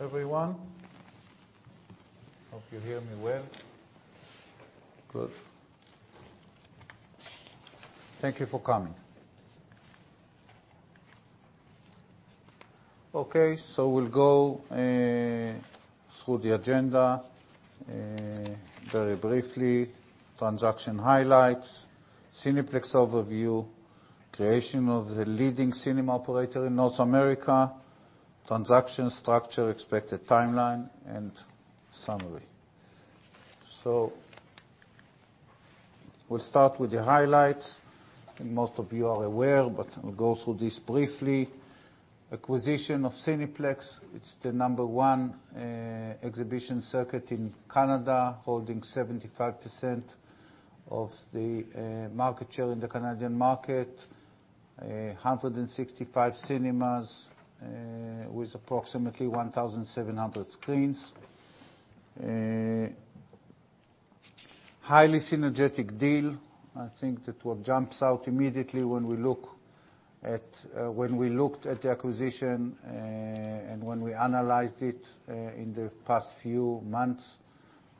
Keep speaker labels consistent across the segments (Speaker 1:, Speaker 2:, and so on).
Speaker 1: Everyone. Hope you hear me well. Good. Thank you for coming. Okay. We'll go through the agenda very briefly. Transaction highlights, Cineplex overview, creation of the leading cinema operator in North America, transaction structure, expected timeline, and summary. We'll start with the highlights, and most of you are aware, but we'll go through this briefly. Acquisition of Cineplex, it's the number one exhibition circuit in Canada, holding 75% of the market share in the Canadian market. 165 cinemas with approximately 1,700 screens. Highly synergetic deal, I think that what jumps out immediately when we looked at the acquisition, and when we analyzed it in the past few months,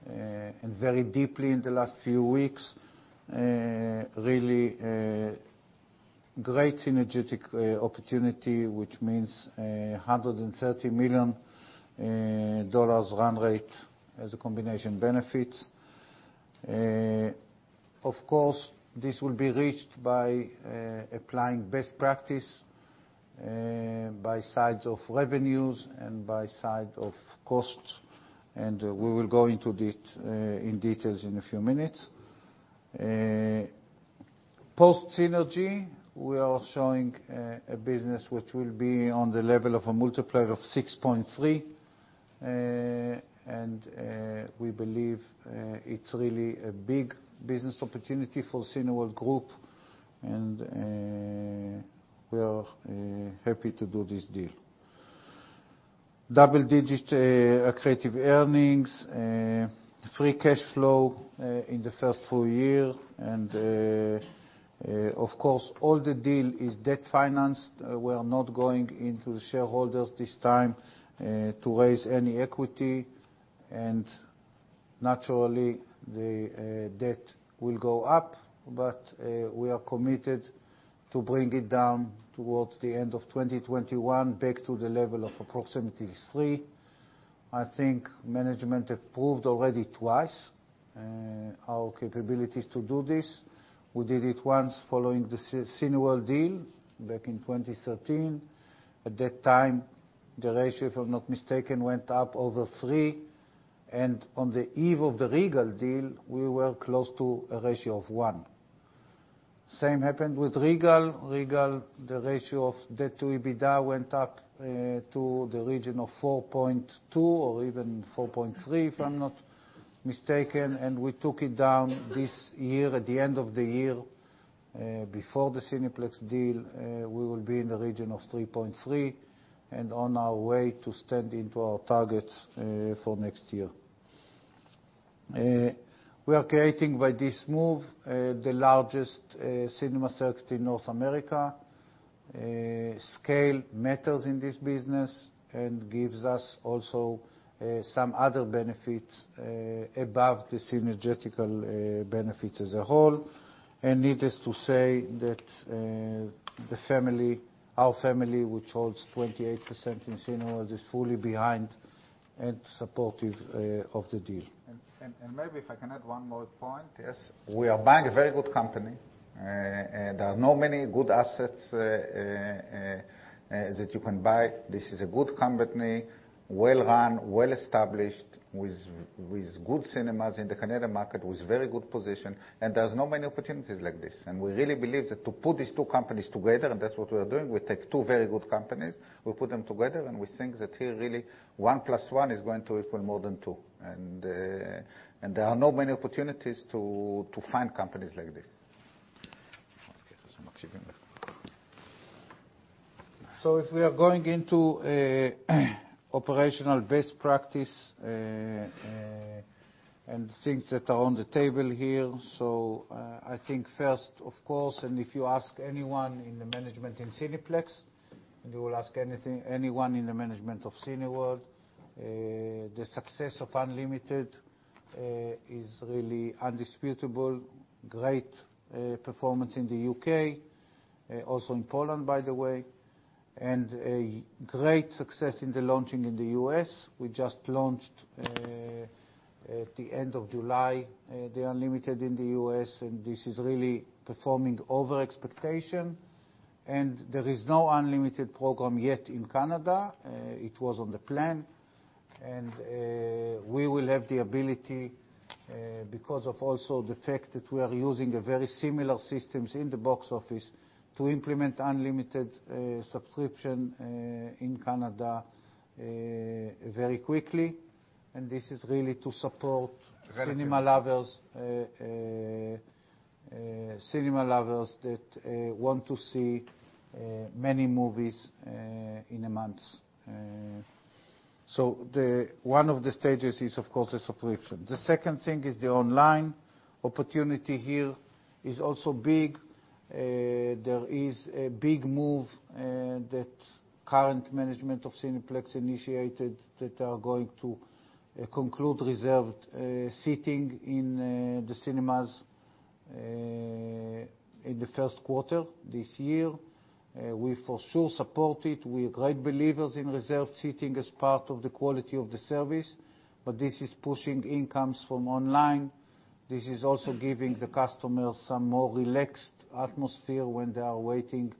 Speaker 1: and very deeply in the last few weeks. Really great synergetic opportunity, which means $130 million run rate as a combination benefits. Of course, this will be reached by applying best practice, by sides of revenues and by side of costs. We will go in details in a few minutes. Post synergy, we are showing a business which will be on the level of a multiplier of 6.3x. We believe it's really a big business opportunity for Cineworld Group. We are happy to do this deal. Double-digit accretive earnings, free cash flow in the first full year. Of course, all the deal is debt financed. We are not going into the shareholders this time to raise any equity. Naturally, the debt will go up, but we are committed to bring it down towards the end of 2021, back to the level of approximately 3x. I think management have proved already twice our capabilities to do this. We did it once following the Cineworld deal back in 2013. At that time, the ratio, if I'm not mistaken, went up over 3x, and on the eve of the Regal deal, we were close to a ratio of 1x. Same happened with Regal. Regal, the ratio of debt to EBITDA went up to the region of 4.2x or even 4.3x if I'm not mistaken, and we took it down this year. At the end of the year, before the Cineplex deal, we will be in the region of 3.3x, and on our way to stand into our targets for next year. We are creating, by this move, the largest cinema circuit in North America. Scale matters in this business and gives us also some other benefits above the synergetical benefits as a whole. Needless to say that our family, which holds 28% in Cineworld, is fully behind and supportive of the deal.
Speaker 2: Maybe if I can add one more point, yes. We are buying a very good company. There are not many good assets that you can buy. This is a good company, well-run, well-established, with good cinemas in the Canadian market, with very good position. There's not many opportunities like this. We really believe that to put these two companies together, and that's what we are doing, we take two very good companies, we put them together, and we think that here really one plus one is going to equal more than two. There are not many opportunities to find companies like this.
Speaker 1: If we are going into operational best practice and things that are on the table here. I think first, of course, and if you ask anyone in the management in Cineplex, and you will ask anyone in the management of Cineworld, the success of Unlimited is really indisputable. Great performance in the U.K., also in Poland, by the way, and a great success in the launching in the U.S. We just launched at the end of July the Unlimited in the U.S., and this is really performing over expectation. There is no Unlimited program yet in Canada. It was on the plan. We will have the ability because of also the fact that we are using a very similar systems in the box office to implement Unlimited subscription in Canada very quickly. This is really to support cinema lovers that want to see many movies in a month. One of the stages is, of course, the subscription. The second thing is the online opportunity here is also big. There is a big move that current management of Cineplex initiated that are going to conclude reserved seating in the cinemas in the first quarter this year. We, for sure, support it. We are great believers in reserved seating as part of the quality of the service, but this is pushing incomes from online. This is also giving the customers some more relaxed atmosphere when they are waiting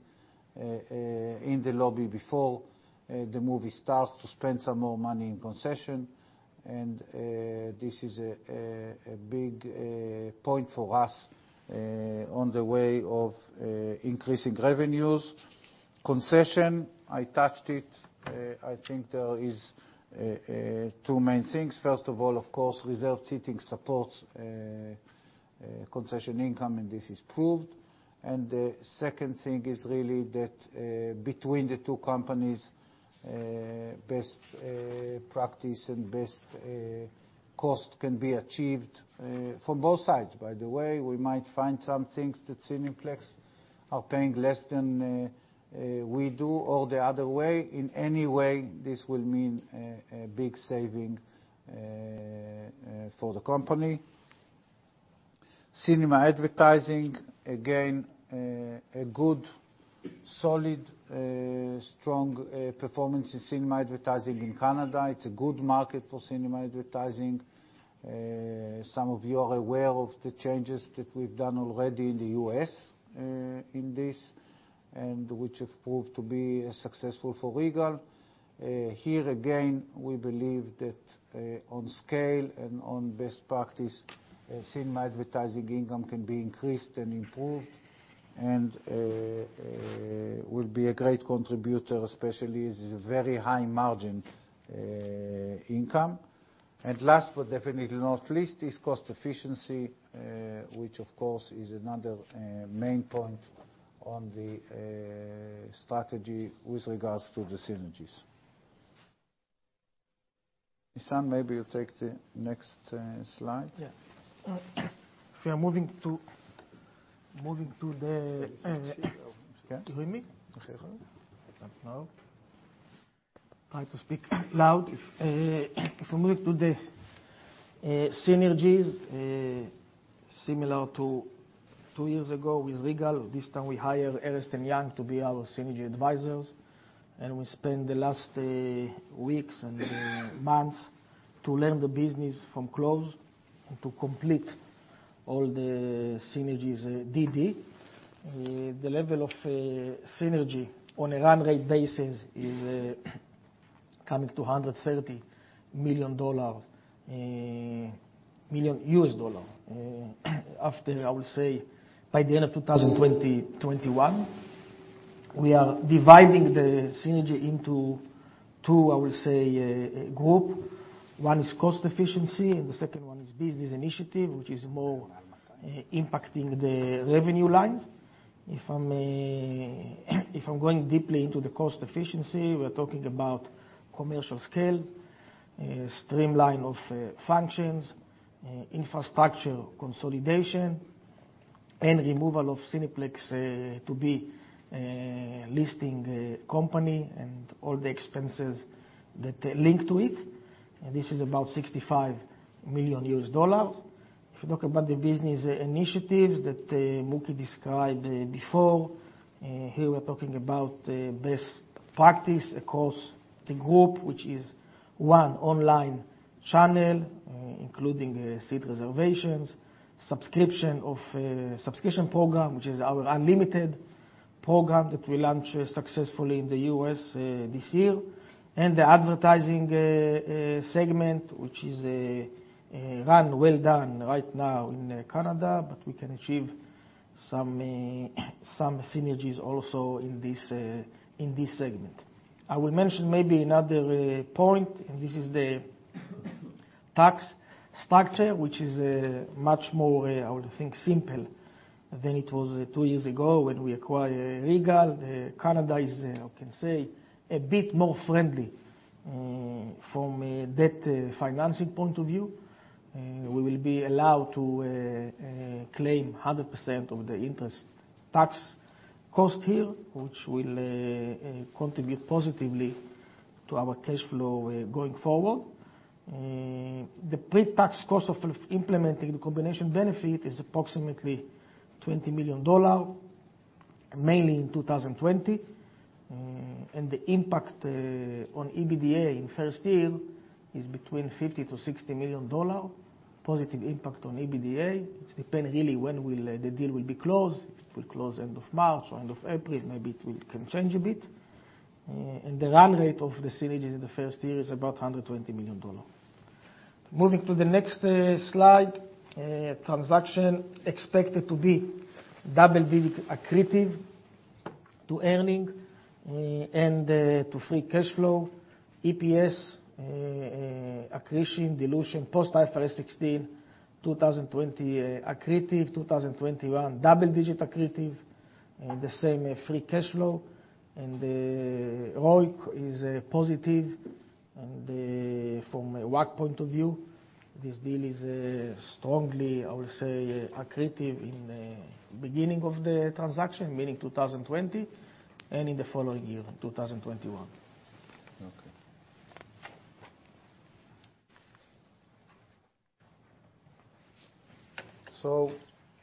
Speaker 1: in the lobby before the movie starts to spend some more money in concession. This is a big point for us on the way of increasing revenues. Concession, I touched it. I think there is two main things. First of all, of course, reserved seating supports concession income, this is proved. The second thing is really that between the two companies, best practice and best cost can be achieved from both sides. By the way, we might find some things that Cineplex are paying less than we do or the other way. In any way, this will mean a big saving for the company. Cinema advertising, again, a good, solid, strong performance in cinema advertising in Canada. It's a good market for cinema advertising. Some of you are aware of the changes that we've done already in the U.S. in this, and which have proved to be successful for Regal. Here again, we believe that on scale and on best practice, cinema advertising income can be increased and improved and will be a great contributor, especially as a very high margin income. Last, but definitely not least, is cost efficiency, which of course is another main point on the strategy with regards to the synergies. Nisan, maybe you take the next slide.
Speaker 3: Yeah. Can you hear me?
Speaker 1: Not now.
Speaker 3: Try to speak loud. If I move to the synergies, similar to two years ago with Regal, this time we hired Ernst & Young to be our synergy advisors, and we spent the last weeks and months to learn the business from close and to complete all the synergies DD. The level of synergy on a run-rate basis is coming to $130 million after, I will say, by the end of 2021. We are dividing the synergy into two, I will say, group. One is cost efficiency, and the second one is business initiative, which is more impacting the revenue lines. If I'm going deeply into the cost efficiency, we're talking about commercial scale, streamline of functions, infrastructure consolidation, and removal of Cineplex to be a listing company and all the expenses that link to it. This is about $65 million. If you talk about the business initiatives that Mooky described before, here we're talking about best practice across the group, which is one online channel, including seat reservations, subscription program, which is our Unlimited program that we launch successfully in the U.S. this year, and the advertising segment, which is well run right now in Canada, but we can achieve some synergies also in this segment. I will mention maybe another point, this is the tax structure, which is much more, I would think, simple than it was two years ago when we acquired Regal. Canada is, I can say, a bit more friendly from a debt financing point of view. We will be allowed to claim 100% of the interest tax cost here, which will contribute positively to our cash flow going forward. The pre-tax cost of implementing the combination benefit is approximately $20 million, mainly in 2020. The impact on EBITDA in first year is between $50million-$60 million positive impact on EBITDA. It depends really when the deal will be closed. If it will close end of March or end of April, maybe it can change a bit. The run-rate of the synergies in the first year is about $120 million. Moving to the next slide, transaction expected to be double digit accretive to earnings and to free cash flow. EPS accretion, dilution, post IFRS 16, 2020 accretive, 2021 double digit accretive, the same free cash flow. ROIC is positive from a WACC point of view. This deal is strongly, I will say, accretive in the beginning of the transaction, meaning 2020, and in the following year, 2021.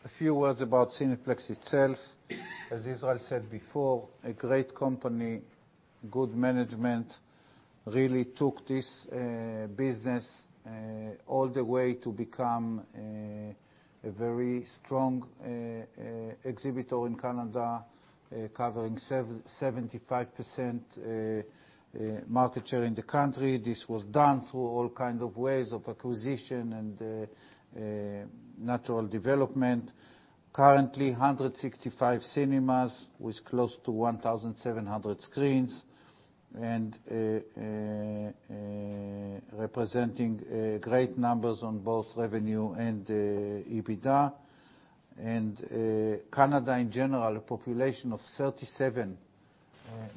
Speaker 1: A few words about Cineplex itself. As Israel said before, a great company, good management, really took this business all the way to become a very strong exhibitor in Canada, covering 75% market share in the country. This was done through all kind of ways of acquisition and natural development. Currently, 165 cinemas with close to 1,700 screens, representing great numbers on both revenue and EBITDA. Canada, in general, a population of 37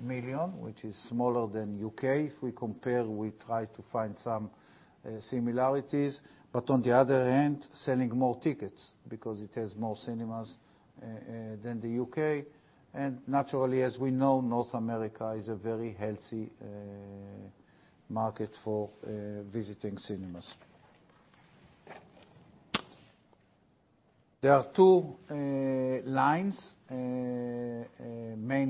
Speaker 1: million, which is smaller than U.K. If we compare, we try to find some similarities. On the other hand, selling more tickets because it has more cinemas, than the U.K. Naturally, as we know, North America is a very healthy market for visiting cinemas. There are two main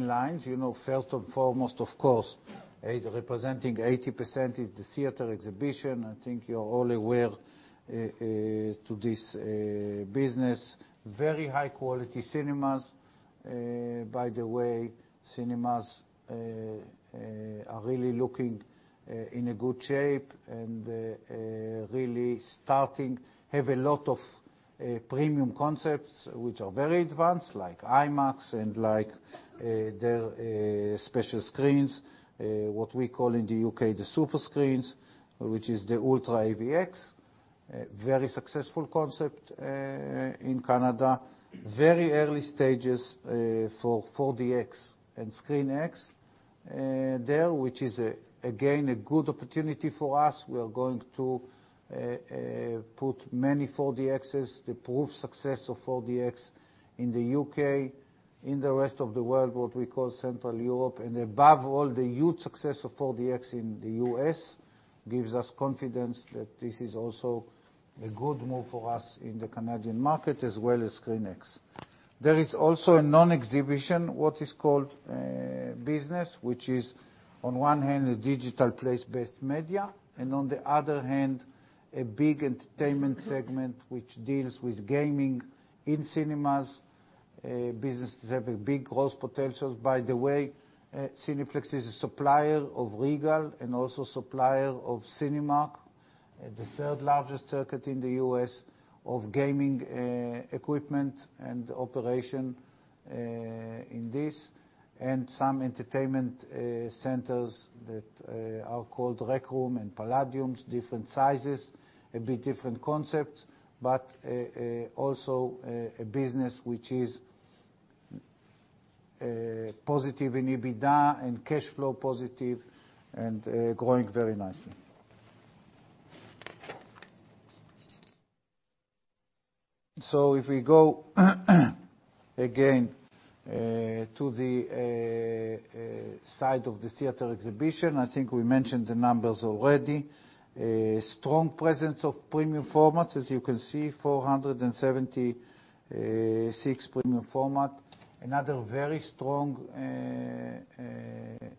Speaker 1: lines. First and foremost, of course, representing 80% is the theater exhibition. I think you're all aware to this business. Very high-quality cinemas. By the way, cinemas are really looking in a good shape and really starting have a lot of premium concepts, which are very advanced, like IMAX and their special screens, what we call in the U.K., the Superscreens, which is the UltraAVX. A very successful concept in Canada. Very early stages for 4DX and ScreenX. There, which is, again, a good opportunity for us. We are going to put many 4DXs. The proof success of 4DX in the U.K., in the rest of the world, what we call Central Europe, and above all, the huge success of 4DX in the U.S., gives us confidence that this is also a good move for us in the Canadian market as well as ScreenX. There is also a non-exhibition, what is called business, which is on one hand, a digital place-based media, and on the other hand, a big entertainment segment, which deals with gaming in cinemas. Businesses have a big growth potential. Cineplex is a supplier of Regal and also supplier of Cinemark, the third largest circuit in the U.S. of gaming equipment and operation in this, and some entertainment centers that are called Rec Room and Playdiums, different sizes, a bit different concepts, but also a business which is positive in EBITDA and cash flow positive and growing very nicely. If we go, again, to the side of the theater exhibition, I think we mentioned the numbers already. A strong presence of premium formats, as you can see, 476 premium format. Another very strong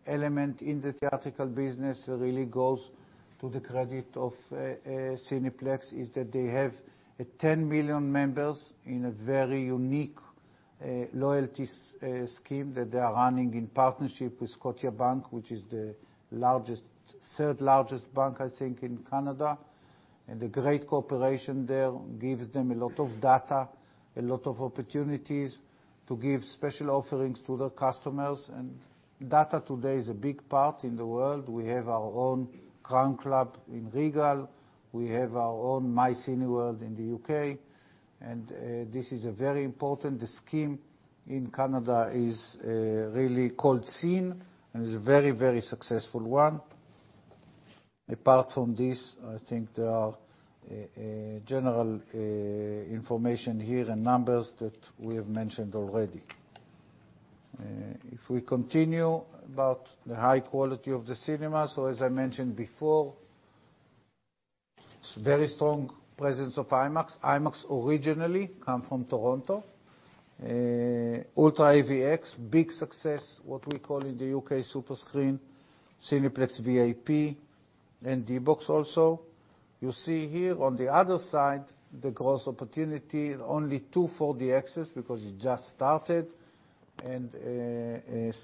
Speaker 1: element in the theatrical business that really goes to the credit of Cineplex is that they have 10 million members in a very unique loyalty scheme that they are running in partnership with Scotiabank, which is the third largest bank, I think, in Canada. The great cooperation there gives them a lot of data, a lot of opportunities to give special offerings to their customers. Data today is a big part in the world. We have our own Crown Club in Regal. We have our own My Cineworld in the U.K. This is a very important scheme in Canada, is really called Scene, and is a very successful one. Apart from this, I think there are general information here and numbers that we have mentioned already. If we continue about the high quality of the cinema. As I mentioned before, very strong presence of IMAX. IMAX originally come from Toronto. UltraAVX, big success, what we call in the U.K. Superscreen, Cineplex VIP, and D-BOX also. You see here on the other side, the growth opportunity, only two 4DX because it just started, and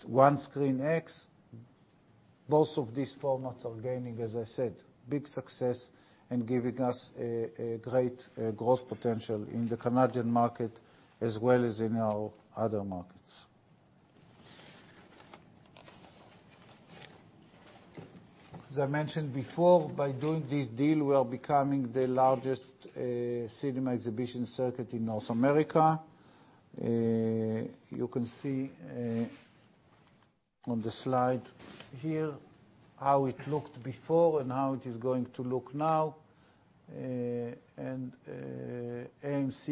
Speaker 1: one ScreenX. Both of these formats are gaining, as I said, big success and giving us a great growth potential in the Canadian market as well as in our other markets. I mentioned before, by doing this deal, we are becoming the largest cinema exhibition circuit in North America. You can see on the slide here, how it looked before and how it is going to look now. AMC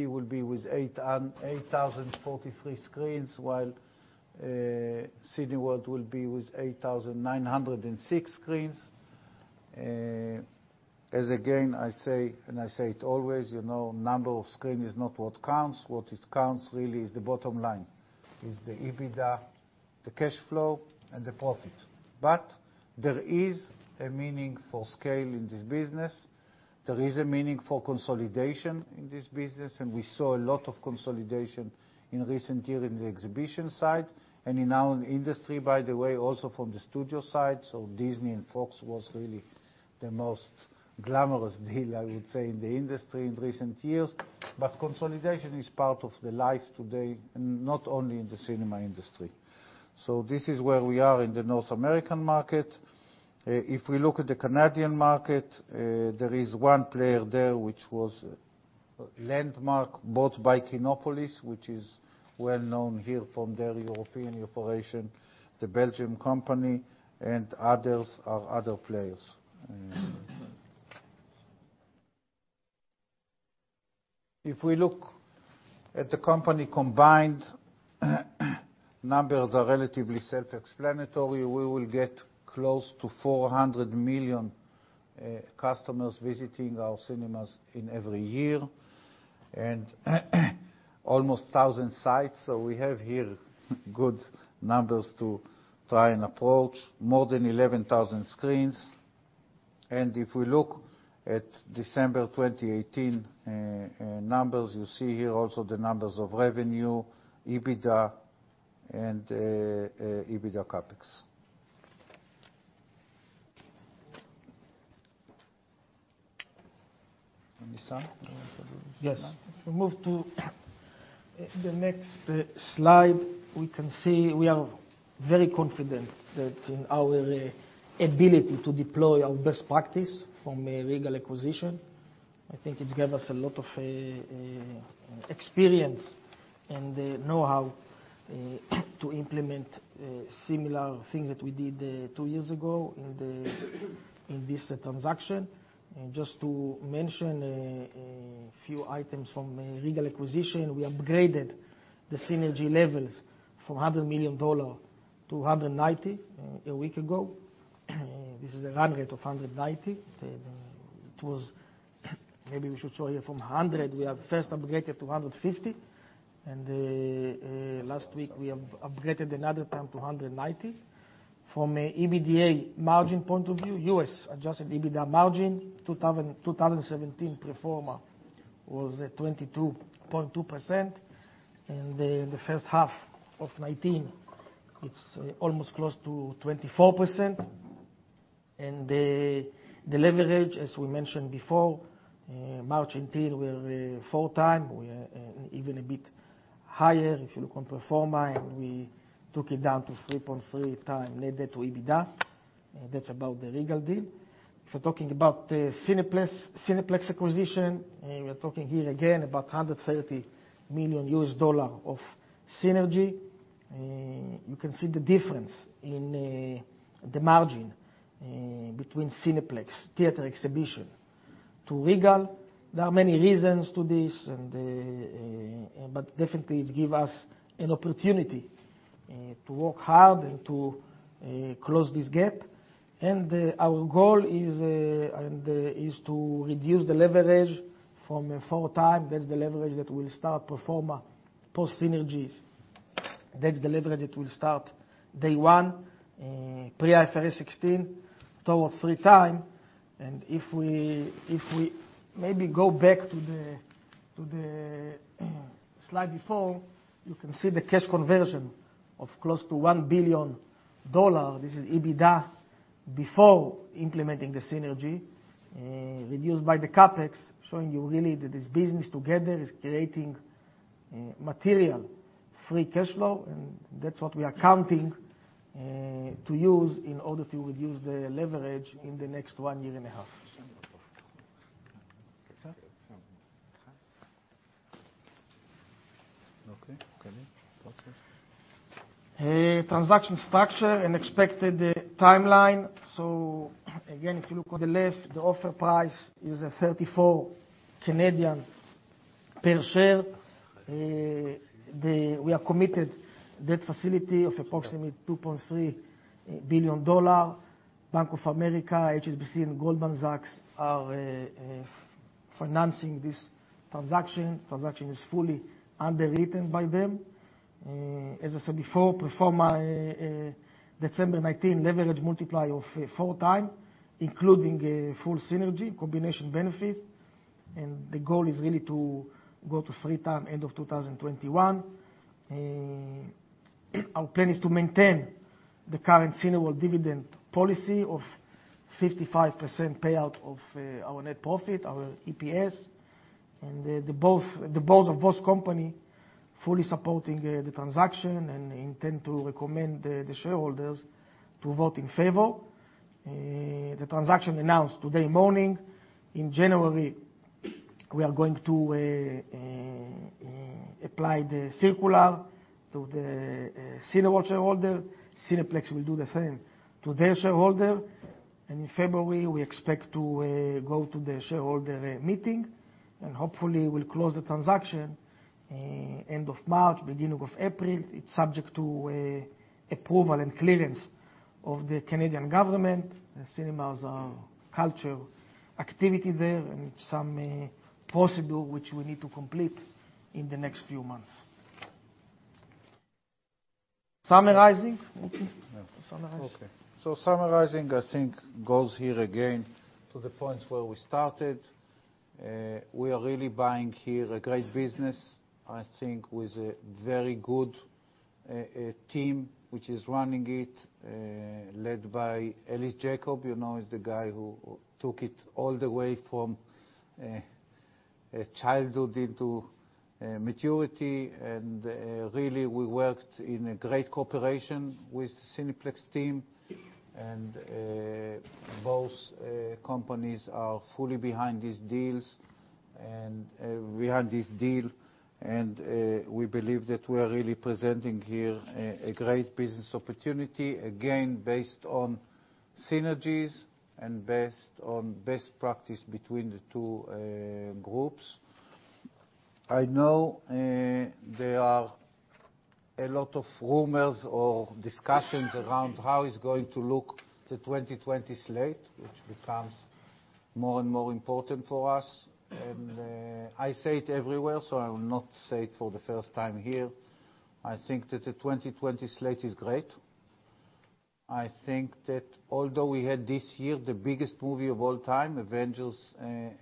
Speaker 1: will be with 8,043 screens, while Cineworld will be with 8,906 screens. Again, I say it always, number of screen is not what counts. What it counts really is the bottom line, is the EBITDA, the cash flow and the profit. There is a meaning for scale in this business. There is a meaning for consolidation in this business, we saw a lot of consolidation in recent year in the exhibition side and in our industry, by the way, also from the studio side. Disney and Fox was really the most glamorous deal, I would say, in the industry in recent years. Consolidation is part of the life today, not only in the cinema industry. This is where we are in the North American market. If we look at the Canadian market, there is one player there, which was Landmark, bought by Kinepolis, which is well-known here from their European operation, the Belgian company and others are other players. If we look at the company combined, numbers are relatively self-explanatory. We will get close to 400 million customers visiting our cinemas in every year, and almost 1,000 sites. We have here good numbers to try and approach. More than 11,000 screens. If we look at December 2018 numbers, you see here also the numbers of revenue, EBITDA and EBITDA CapEx. Nisan, you want to do this one?
Speaker 3: Yes. If we move to the next slide, we can see we are very confident that in our ability to deploy our best practice from a Regal acquisition. I think it gave us a lot of experience and know-how to implement similar things that we did two years ago in this transaction. Just to mention a few items from Regal acquisition, we upgraded the synergy levels from $100 million to $190 million a week ago. This is a run-rate of $190 million. Maybe we should show here from $100 million, we have first upgraded to $150 million, last week we have upgraded another time to $190 million. From an EBITDA margin point of view, U.S. adjusted EBITDA margin 2017 pro forma was 22.2%, the first half of 2019, it's almost close to 24%. The leverage, as we mentioned before, March until we're 4x. We even a bit higher if you look on pro forma. We took it down to 3.3x net debt to EBITDA. That's about the Regal deal. If we're talking about the Cineplex acquisition, we are talking here again about $130 million of synergy. You can see the difference in the margin between Cineplex theater exhibition to Regal. There are many reasons to this, definitely it give us an opportunity to work hard and to close this gap. Our goal is to reduce the leverage from 4x. That's the leverage that will start pro forma post synergies. That's the leverage that will start day one, pre IFRS 16, towards 3x. If we maybe go back to the slide before, you can see the cash conversion of close to $1 billion. This is EBITDA before implementing the synergy, reduced by the CapEx, showing you really that this business together is creating material free cash flow, and that's what we are counting to use in order to reduce the leverage in the next one year and a half.
Speaker 1: Okay. Continue.
Speaker 3: Transaction structure and expected timeline. Again, if you look on the left, the offer price is 34 per share. We are committed debt facility of approximately $2.3 billion. Bank of America, HSBC and Goldman Sachs are financing this transaction. Transaction is fully underwritten by them. As I said before, pro forma December 2019 leverage multiply of 4x, including full synergy, combination benefits. The goal is really to go to 3x end of 2021. Our plan is to maintain the current Cineworld dividend policy of 55% payout of our net profit, our EPS. The board of both company fully supporting the transaction and intend to recommend the shareholders to vote in favor. The transaction announced today morning. In January, we are going to apply the circular to the Cineworld shareholder. Cineplex will do the same to their shareholder. In February, we expect to go to the shareholder meeting, and hopefully we'll close the transaction end of March, beginning of April. It's subject to approval and clearance of the Canadian government. The cinemas are culture activity there, and some possible which we need to complete in the next few months. Summarizing? Okay. Summarize.
Speaker 1: Okay. Summarizing, I think, goes here again to the point where we started. We are really buying here a great business, I think with a very good team, which is running it, led by Ellis Jacob. You know, he's the guy who took it all the way from childhood into maturity. Really, we worked in a great cooperation with the Cineplex team. Both companies are fully behind this deal, and we believe that we are really presenting here a great business opportunity, again, based on synergies and based on best practice between the two groups. I know there are a lot of rumors or discussions around how it's going to look the 2020 slate, which becomes more and more important for us. I say it everywhere, so I will not say it for the first time here. I think that the 2020 slate is great. I think that although we had this year the biggest movie of all time, Avengers: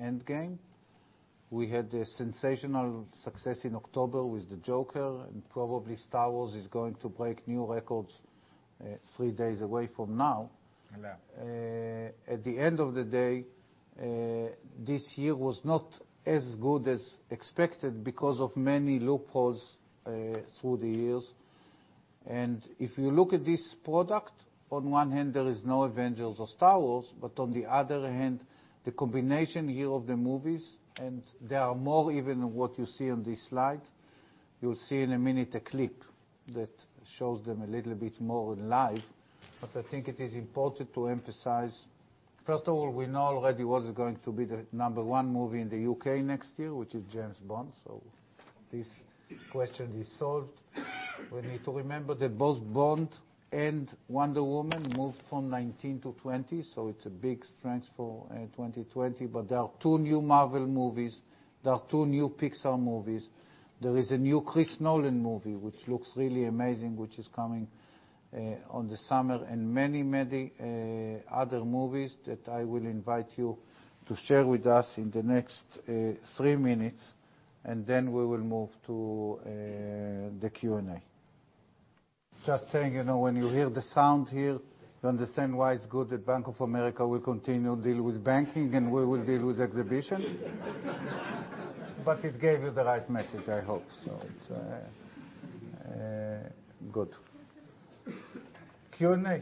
Speaker 1: Endgame, we had a sensational success in October with the Joker and probably Star Wars is going to break new records three days away from now.
Speaker 3: Yeah.
Speaker 1: At the end of the day, this year was not as good as expected because of many loopholes through the years. If you look at this product, on one hand there is no Avengers or Star Wars, but on the other hand, the combination here of the movies, and there are more even than what you see on this slide. You'll see in a minute a clip that shows them a little bit more live. I think it is important to emphasize, first of all, we know already what is going to be the number one movie in the U.K. next year, which is James Bond. This question is solved. We need to remember that both Bond and Wonder Woman moved from 2019 to 2020, it's a big strength for 2020. There are two new Marvel movies. There are two new Pixar movies. There is a new Christopher Nolan movie, which looks really amazing, which is coming on the summer, and many other movies that I will invite you to share with us in the next three minutes, and then we will move to the Q&A. Just saying, when you hear the sound here, you understand why it's good that Bank of America will continue to deal with banking, and we will deal with exhibition. It gave you the right message, I hope. It's good. Q&A.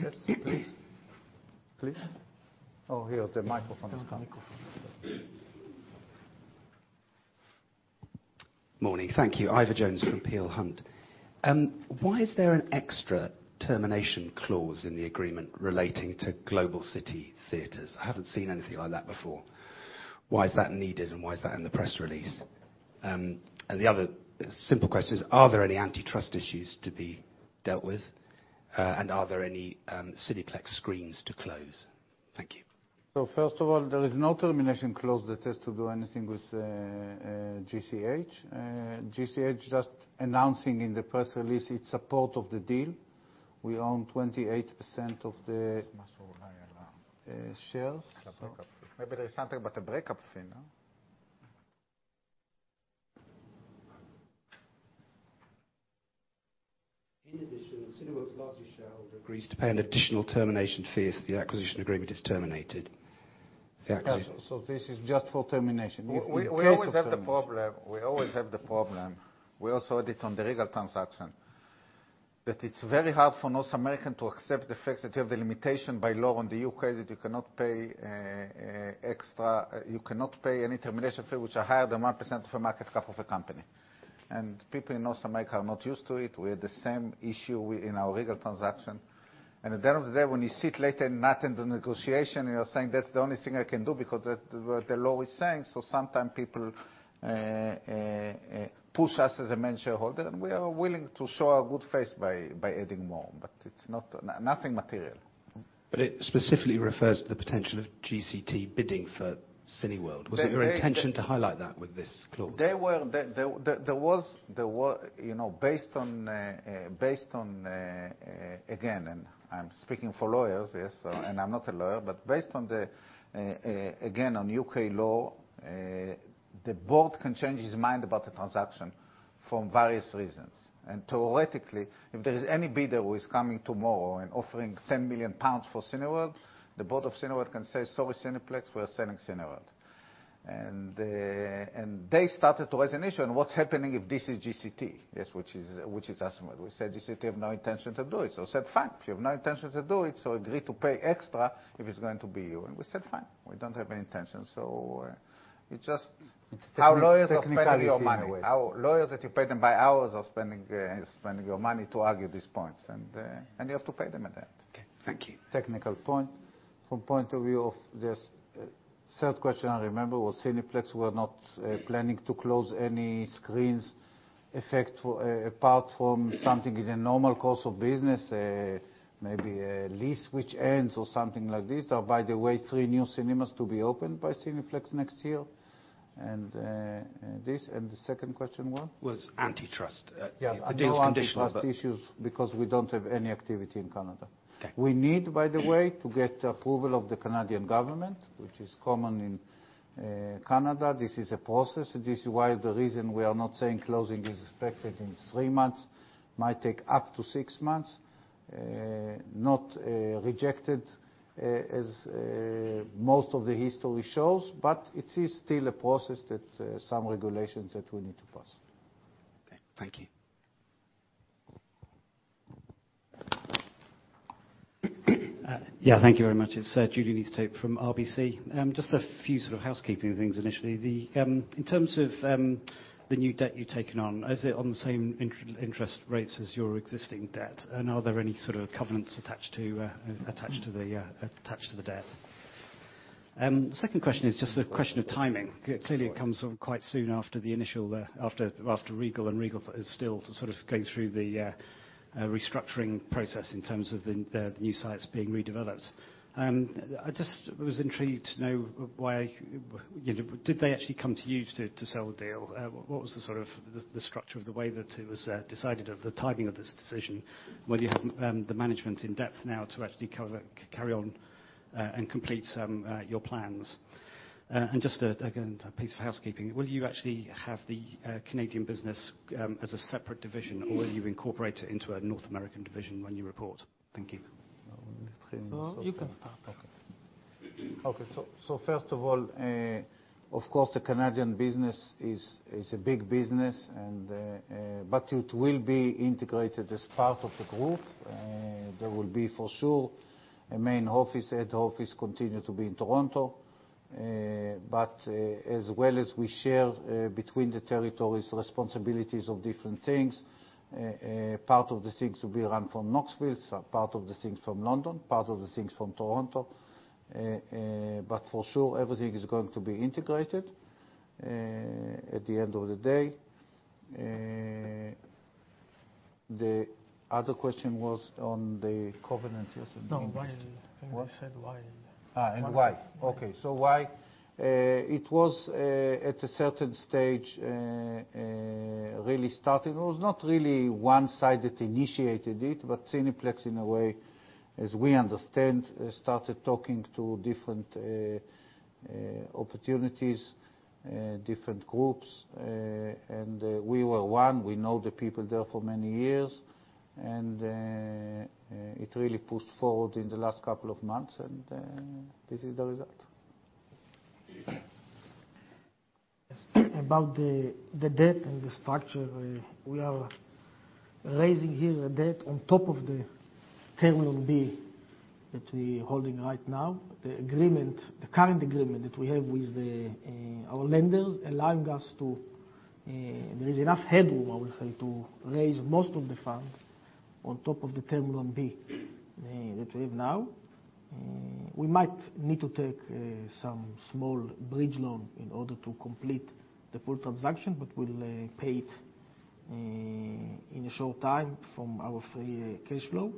Speaker 1: Yes, please. Please. Oh, here the microphone is coming.
Speaker 3: There's a microphone.
Speaker 4: Morning. Thank you. Ivor Jones from Peel Hunt. Why is there an extra termination clause in the agreement relating to Global City Theatres? I haven't seen anything like that before. Why is that needed, and why is that in the press release? The other simple question is, are there any antitrust issues to be dealt with? Are there any Cineplex screens to close? Thank you.
Speaker 1: First of all, there is no termination clause that has to do anything with GCH. GCH just announcing in the press release its support of the deal. We own 28% of the shares.
Speaker 3: Maybe there's something about the breakup fee now.
Speaker 4: In addition, Cineworld's majority shareholder agrees to pay an additional termination fee if the acquisition agreement is terminated.
Speaker 1: This is just for termination. In case of termination. We always have the problem, we also had it on the Regal transaction, that it's very hard for North America to accept the fact that you have the limitation by law in the U.K., that you cannot pay any termination fee, which are higher than 1% of the market cap of a company. People in North America are not used to it. We had the same issue in our Regal transaction. At the end of the day, when you sit late at night in the negotiation, you're saying, that's the only thing I can do because that's what the law is saying. Sometimes people push us as a main shareholder, and we are willing to show a good face by adding more. It's nothing material.
Speaker 4: It specifically refers to the potential of GCT bidding for Cineworld. Was it your intention to highlight that with this clause?
Speaker 1: Based on, again, I'm speaking for lawyers, yes, and I'm not a lawyer. Based, again, on U.K. law, the board can change its mind about the transaction for various reasons. Theoretically, if there is any bidder who is coming tomorrow and offering 10 million pounds for Cineworld, the board of Cineworld can say, sorry, Cineplex, we're selling Cineworld. They started to raise an issue on what's happening if this is GCT. Yes, which is us. We said, GCT have no intention to do it. They said, fine, if you have no intention to do it, so agree to pay extra if it's going to be you. We said, fine, we don't have any intention. Technically, either way our lawyers are spending your money. Our lawyers, that you pay them by hours, are spending your money to argue these points, and you have to pay them at end.
Speaker 4: Okay. Thank you.
Speaker 1: Technical point. From point of view of this third question, I remember was Cineplex were not planning to close any screens apart from something in the normal course of business, maybe a lease which ends or something like this. By the way, three new cinemas to be opened by Cineplex next year. The second question was?
Speaker 4: Was antitrust.
Speaker 1: Yeah. The deal's conditional. No antitrust issues because we don't have any activity in Canada. Okay. We need, by the way, to get the approval of the Canadian government, which is common in Canada. This is a process. This is why the reason we are not saying closing is expected in three months, might take up to six months. Not rejected, as most of the history shows, but it is still a process that some regulations that we need to pass.
Speaker 4: \Okay. Thank you.
Speaker 5: Yeah, thank you very much. It is Julian Easthope from RBC. Just a few sort of housekeeping things initially. In terms of the new debt you have taken on, is it on the same interest rates as your existing debt? Are there any sort of covenants attached to the debt? Second question is just a question of timing. Clearly, it comes quite soon after Regal is still sort of going through the restructuring process in terms of the new sites being redeveloped. I just was intrigued to know, did they actually come to you to sell the deal? What was the structure of the way that it was decided, of the timing of this decision? Whether you have the management in depth now to actually carry on and complete your plans. Just again, a piece of housekeeping. Will you actually have the Canadian business as a separate division or will you incorporate it into a North American division when you report? Thank you.
Speaker 3: You can start.
Speaker 1: First of all, of course, the Canadian business is a big business, but it will be integrated as part of the group. There will be for sure, a main office, head office, continue to be in Toronto. As well as we share between the territories, responsibilities of different things, part of the things will be run from Knoxville, some part of the things from London, part of the things from Toronto. For sure, everything is going to be integrated at the end of the day. The other question was on the covenants, yes or no?
Speaker 3: No, why? I think you said why.
Speaker 1: Why? It was at a certain stage, it was not really one side that initiated it, but Cineplex, in a way, as we understand, started talking to different opportunities, different groups. We were one. We know the people there for many years, and it really pushed forward in the last couple of months, and this is the result.
Speaker 3: About the debt and the structure, we are raising here a debt on top of the Term Loan B that we holding right now. The current agreement that we have with our lenders, there is enough headroom, I would say, to raise most of the funds on top of the Term Loan B that we have now. We might need to take some small bridge loan in order to complete the full transaction, but we'll pay it in a short time from our free cash flow.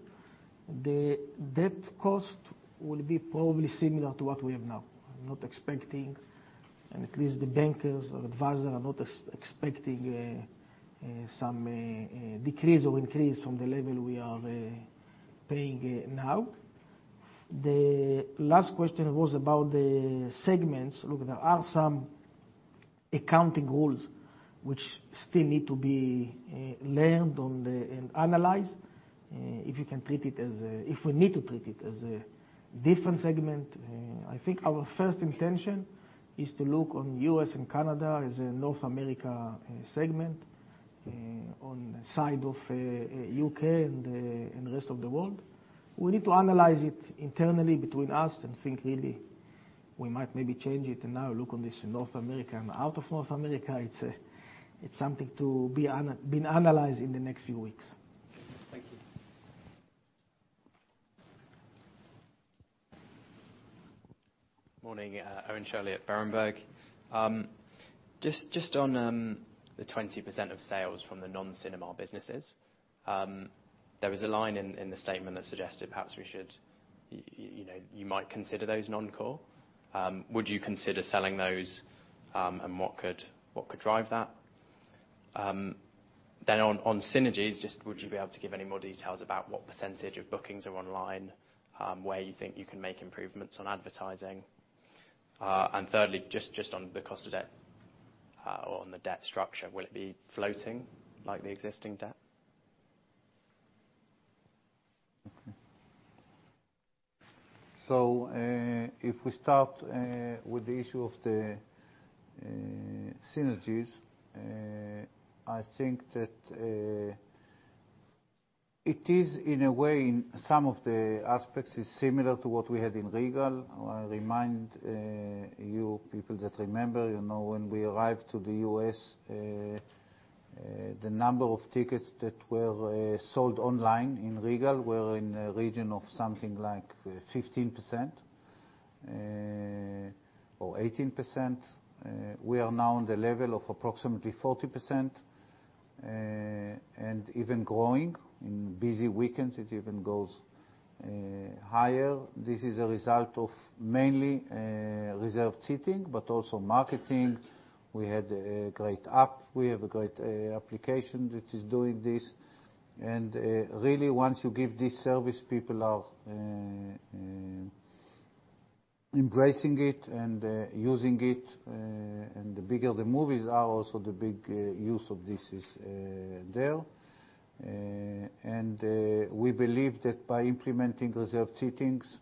Speaker 3: The debt cost will be probably similar to what we have now. I'm not expecting, at least the bankers or advisor, are not expecting some decrease or increase from the level we are paying now. The last question was about the segments. Look, there are some accounting rules which still need to be learned and analyzed, if we need to treat it as a different segment. I think our first intention is to look on U.S. and Canada as a North America segment. On the side of U.K. and the rest of the world, we need to analyze it internally between us and think really we might maybe change it and now look on this North America and out of North America. It's something to be analyzed in the next few weeks.
Speaker 5: Thank you.
Speaker 6: Morning. Owen Shirley at Berenberg. Just on the 20% of sales from the non-cinema businesses. There was a line in the statement that suggested perhaps you might consider those non-core. Would you consider selling those? What could drive that? On synergies, just would you be able to give any more details about what percentage of bookings are online, where you think you can make improvements on advertising? Thirdly, just on the cost of debt or on the debt structure, will it be floating like the existing debt?
Speaker 1: If we start with the issue of the synergies, I think that it is, in a way, in some of the aspects, is similar to what we had in Regal. I remind you, people that remember, when we arrived to the U.S., the number of tickets that were sold online in Regal were in a region of something like 15% or 18%. We are now on the level of approximately 40%, and even growing. In busy weekends, it even goes higher. This is a result of mainly reserved seating, but also marketing. We had a great app. We have a great application that is doing this. Really, once you give this service, people are embracing it and using it. The bigger the movies are, also the big use of this is there. We believe that by implementing reserved seatings,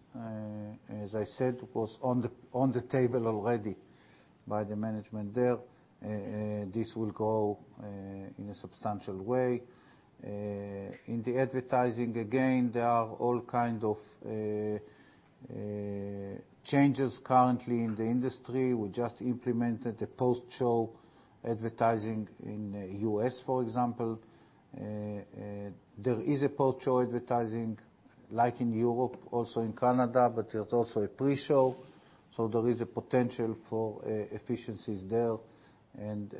Speaker 1: as I said, it was on the table already by the management there, this will grow in a substantial way. In the advertising, again, there are all kind of changes currently in the industry. We just implemented a post-show advertising in U.S., for example. There is a post-show advertising, like in Europe, also in Canada, but there's also a pre-show, so there is a potential for efficiencies there, and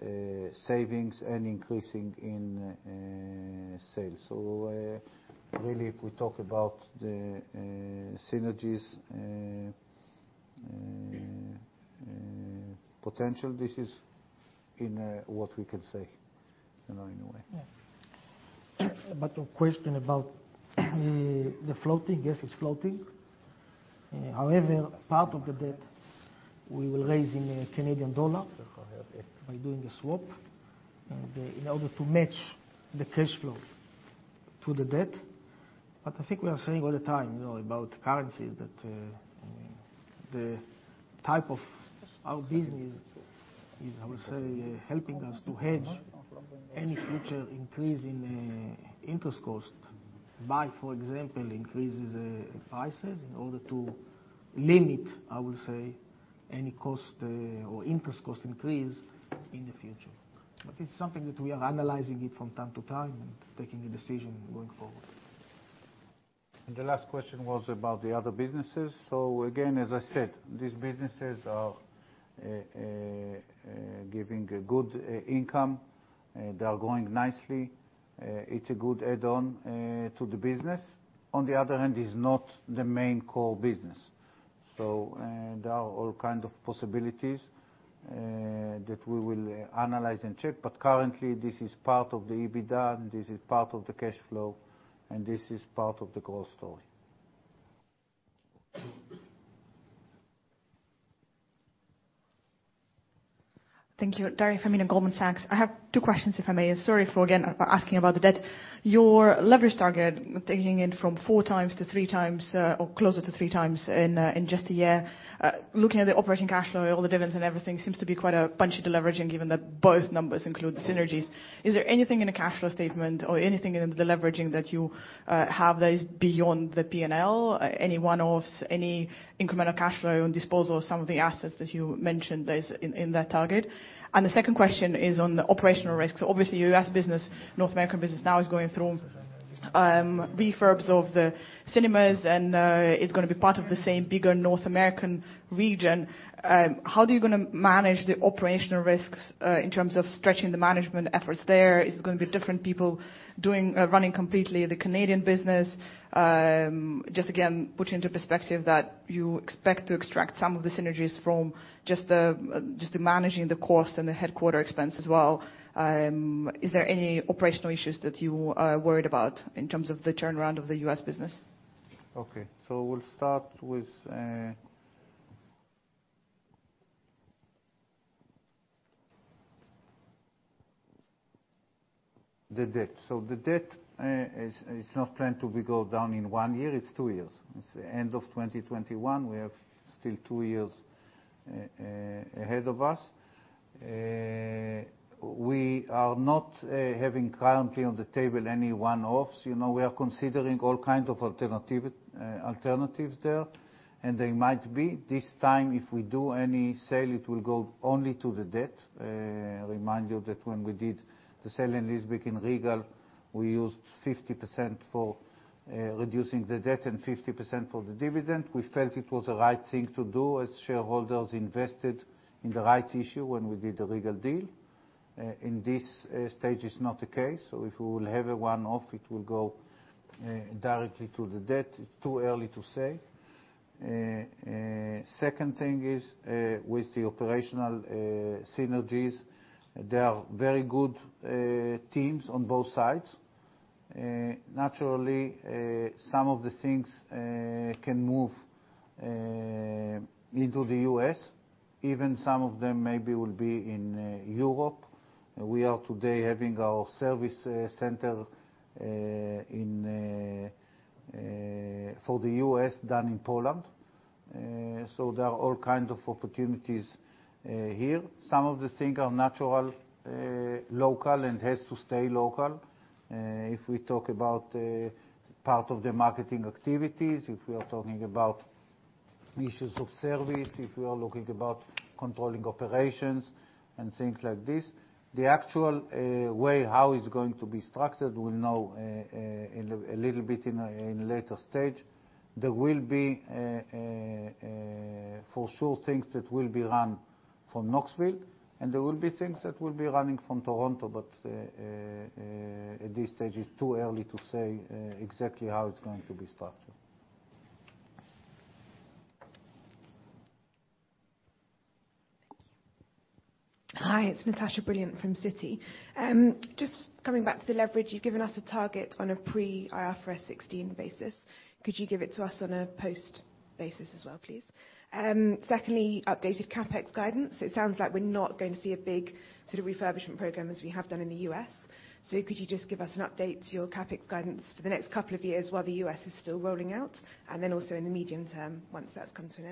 Speaker 1: savings and increasing in sales. Really, if we talk about the synergies potential, this is in what we can say, in a way.
Speaker 3: Yeah. A question about the floating. Yes, it's floating. However, part of the debt we will raise in Canadian dollar by doing a swap in order to match the cash flow to the debt. I think we are saying all the time about currencies, that the type of our business is, I would say, helping us to hedge any future increase in interest cost by, for example, increases prices in order to limit, I would say, any cost or interest cost increase in the future. It's something that we are analyzing it from time to time and taking a decision going forward.
Speaker 1: The last question was about the other businesses. Again, as I said, these businesses are giving a good income. They are growing nicely. It's a good add-on to the business. On the other hand, is not the main core business. There are all kind of possibilities that we will analyze and check, but currently this is part of the EBITDA, and this is part of the cash flow, and this is part of the growth story.
Speaker 7: Thank you. Daria Fomina, Goldman Sachs. I have two questions, if I may. Sorry for, again, asking about the debt. Your leverage target, taking it from 4x to 3x, or closer to 3x in just a year. Looking at the operating cash flow, all the dividends and everything seems to be quite a bunch of deleveraging, given that both numbers include synergies. Is there anything in the cash flow statement or anything in the deleveraging that you have that is beyond the P&L? Any one-offs, any incremental cash flow on disposal of some of the assets that you mentioned that is in that target? The second question is on the operational risks. Obviously, U.S. business, North American business now is going through refurbs of the cinemas, and it's going to be part of the same bigger North American region. How do you manage the operational risks in terms of stretching the management efforts there? Is it going to be different people running completely the Canadian business? Just again, put into perspective that you expect to extract some of the synergies from just the managing the cost and the headquarter expense as well. Is there any operational issues that you are worried about in terms of the turnaround of the U.S. business?
Speaker 1: Okay. We'll start with the debt. The debt is not planned to be go down in one year, it's two years. It's end of 2021. We have still two years ahead of us. We are not having currently on the table any one-offs. We are considering all kind of alternatives there, and they might be. This time, if we do any sale, it will go only to the debt. Remind you that when we did the sale and leaseback in Regal, we used 50% for reducing the debt and 50% for the dividend. We felt it was the right thing to do as shareholders invested in the right issue when we did the Regal deal. In this stage it's not the case. If we will have a one-off, it will go directly to the debt. It's too early to say. Second thing is with the operational synergies. There are very good teams on both sides. Naturally, some of the things can move into the U.S., even some of them maybe will be in Europe. We are today having our service center for the U.S. done in Poland. There are all kind of opportunities here. Some of the things are natural, local and has to stay local. If we talk about part of the marketing activities, if we are talking about issues of service, if we are looking about controlling operations and things like this. The actual way how it's going to be structured, we'll know a little bit in a later stage. There will be, for sure, things that will be run from Knoxville, and there will be things that will be running from Toronto. At this stage, it's too early to say exactly how it's going to be structured.
Speaker 7: Thank you.
Speaker 8: Hi, it's Natasha Brilliant from Citi. Just coming back to the leverage, you've given us a target on a pre-IFRS 16 basis. Could you give it to us on a post-basis as well, please? Secondly, updated CapEx guidance. It sounds like we're not going to see a big sort of refurbishment program as we have done in the U.S. Could you just give us an update to your CapEx guidance for the next couple of years while the U.S. is still rolling out, and then also in the medium term, once that's come to an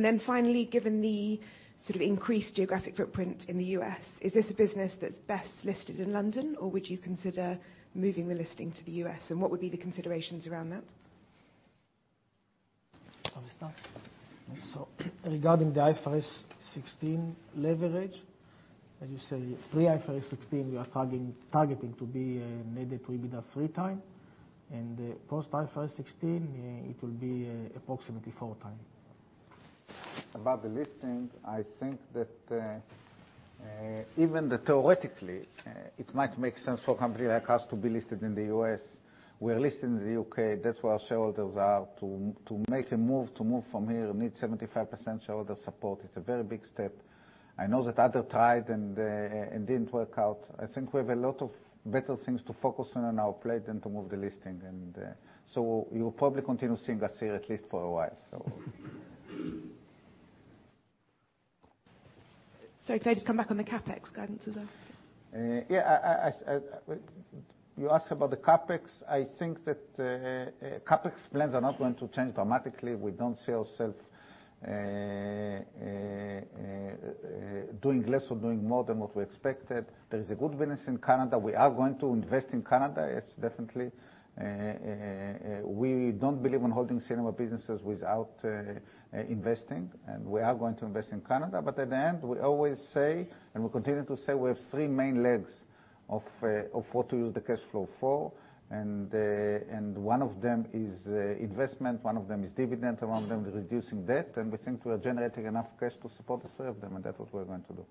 Speaker 8: end? Finally, given the sort of increased geographic footprint in the U.S., is this a business that's best listed in London, or would you consider moving the listing to the U.S., and what would be the considerations around that?
Speaker 3: I'll start. Regarding the IFRS 16 leverage, as you say, pre-IFRS 16, we are targeting to be net EBITDA 3x, post-IFRS 16, it will be approximately 4x.
Speaker 2: About the listing, I think that even though theoretically it might make sense for a company like us to be listed in the U.S., we are listed in the U.K. That's where our shareholders are. To make a move, to move from here, we need 75% shareholder support. It's a very big step. I know that other tried and didn't work out. I think we have a lot of better things to focus on our plate than to move the listing. You'll probably continue seeing us here at least for a while.
Speaker 8: Sorry, can I just come back on the CapEx guidance as well?
Speaker 2: Yeah. You ask about the CapEx. I think that CapEx plans are not going to change dramatically. We don't see ourselves doing less or doing more than what we expected. There is a good business in Canada. We are going to invest in Canada. It's definitely. We don't believe in holding cinema businesses without investing, and we are going to invest in Canada. At the end, we always say, and we continue to say, we have three main legs of what to use the cash flow for. One of them is investment, one of them is dividend, one of them reducing debt. We think we are generating enough cash to support the sale of them, and that's what we are going to do.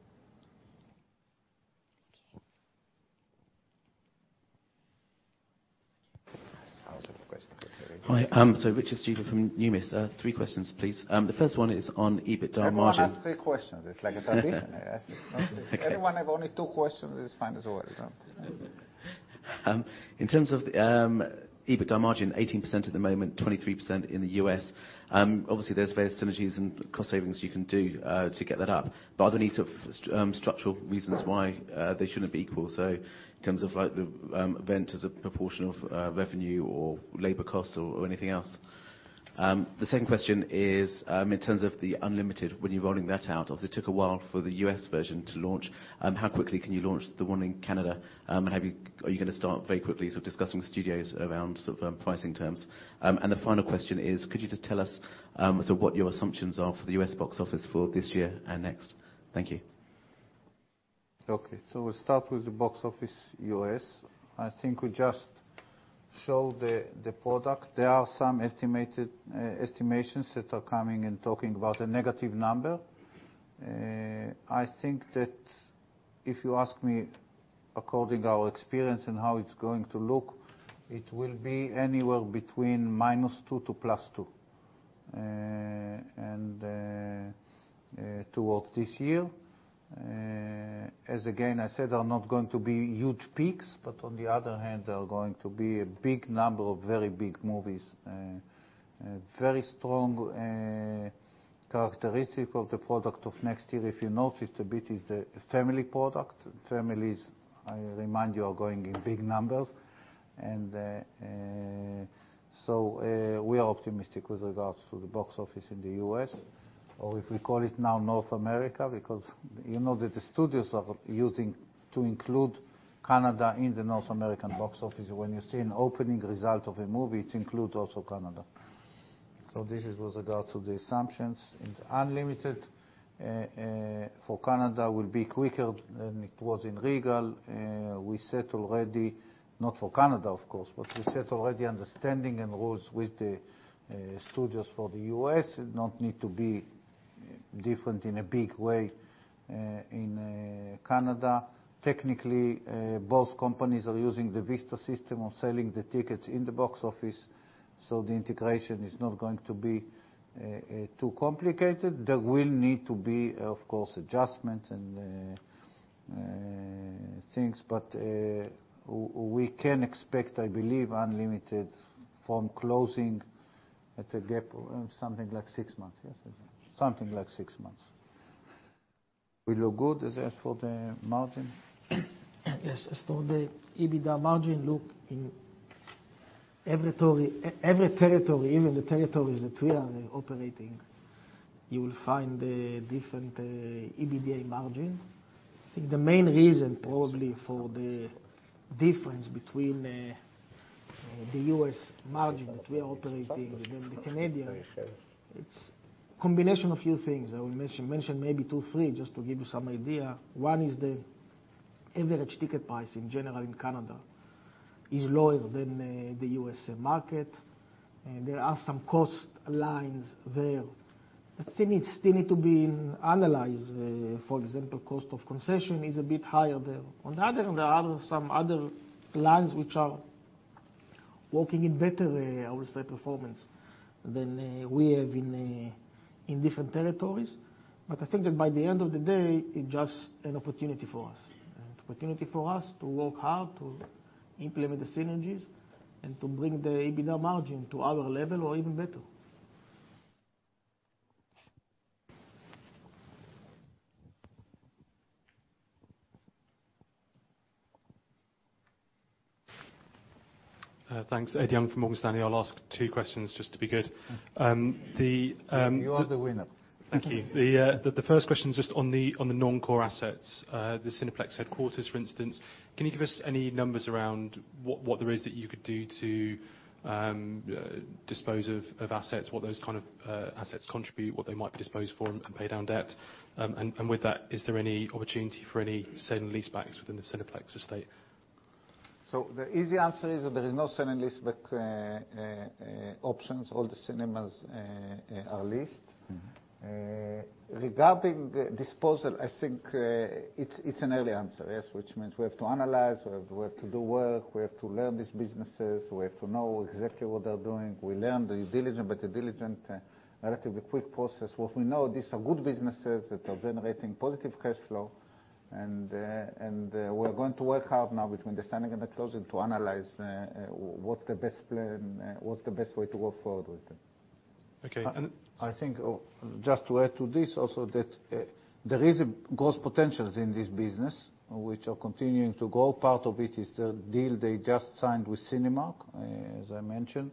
Speaker 8: Thank you.
Speaker 1: I will take a question.
Speaker 9: Hi. Richard Stuber from Numis. Three questions, please. The first one is on EBITDA margin.
Speaker 2: Everyone asks three questions. It's like a tradition.
Speaker 9: Okay.
Speaker 2: If anyone have only two questions is fine as well.
Speaker 9: In terms of the EBITDA margin, 18% at the moment, 23% in the U.S. Obviously, there's various synergies and cost savings you can do to get that up. Are there any structural reasons why they shouldn't be equal, so in terms of like the rent as a proportion of revenue or labor costs or anything else? The second question is, in terms of the Unlimited, when you're rolling that out, obviously, it took a while for the U.S. version to launch. How quickly can you launch the one in Canada? Are you going to start very quickly sort of discussing studios around pricing terms? The final question is, could you just tell us, so what your assumptions are for the U.S. box office for this year and next? Thank you.
Speaker 1: Okay. We'll start with the box office U.S. I think we just show the product. There are some estimations that are coming and talking about a negative number. I think that if you ask me according our experience and how it's going to look, it will be anywhere between -2% to +2%. Towards this year, as again, I said, are not going to be huge peaks, but on the other hand, there are going to be a big number of very big movies. Very strong characteristic of the product of next year, if you noticed a bit, is the family product. Families, I remind you, are going in big numbers. We are optimistic with regards to the box office in the U.S., or if we call it now North America, because you know that the studios are using to include Canada in the North American box office. When you see an opening result of a movie, it includes also Canada. This is with regard to the assumptions. In the Unlimited, for Canada will be quicker than it was in Regal. We set already, not for Canada, of course, but we set already understanding and rules with the studios for the U.S. It not need to be different in a big way in Canada. Technically, both companies are using the Vista system of selling the tickets in the box office, so the integration is not going to be too complicated. There will need to be, of course, adjustments and things. We can expect, I believe, Unlimited from closing at a gap of something like six months. Yes, I think. Something like six months. We look good, is that for the margin?
Speaker 3: Yes. As for the EBITDA margin, look, in every territory, even the territories that we are operating, you will find a different EBITDA margin. I think the main reason probably for the difference between the U.S. margin that we are operating than the Canadian, it's combination of few things. I will mention maybe two, three, just to give you some idea. One is the average ticket price in general in Canada is lower than the U.S. market, and there are some cost lines there that still need to be analyzed. For example, cost of concession is a bit higher there. On the other, there are some other lines which are working in better, I will say, performance than we have in different territories. I think that by the end of the day, it's just an opportunity for us. An opportunity for us to work hard to implement the synergies and to bring the EBITDA margin to our level or even better.
Speaker 10: Thanks. Ed Young from Morgan Stanley. I'll ask two questions just to be good.
Speaker 2: You are the winner.
Speaker 10: Thank you. The first question is just on the non-core assets, the Cineplex headquarters, for instance. Can you give us any numbers around what there is that you could do to dispose of assets, what those kind of assets contribute, what they might be disposed for, and pay down debt? With that, is there any opportunity for any sale and leasebacks within the Cineplex estate?
Speaker 2: The easy answer is that there is no sale and leaseback options. All the cinemas are leased. Regarding disposal, I think it's an early answer, yes, which means we have to analyze, we have to do work, we have to learn these businesses. We have to know exactly what they're doing. We learned the due diligence, but the due diligence, relatively quick process. What we know, these are good businesses that are generating positive cash flow, and we're going to work hard now between the selling and the closing to analyze what's the best way to go forward with them.
Speaker 10: Okay.
Speaker 1: I think just to add to this also, that there is growth potentials in this business, which are continuing to grow. Part of it is the deal they just signed with Cinemark, as I mentioned,